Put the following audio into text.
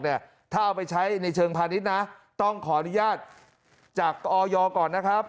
ถ้าเอาไปใช้ในเชิงพาณิชย์นะต้องขออนุญาตจากออยก่อนนะครับ